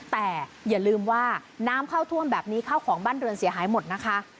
แต่อย่าลืมว่าน้ำเข้าท่วมแบบนี้ข้าวของบ้านเรือนเสียหายหมดนะคะ